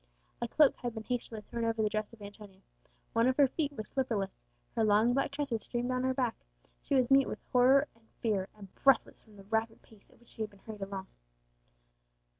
A cloak had been hastily thrown over the dress of Antonia; one of her feet was slipperless; her long black tresses streamed down her back; she was mute with horror and fear, and breathless from the rapid pace at which she had been hurried along.